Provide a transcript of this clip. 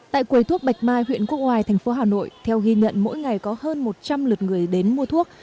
tại quầy thuốc bạch mai huyện quốc hoài tp hcm theo ghi nhận mỗi ngày có hơn một trăm linh lượt người đến mua thuốc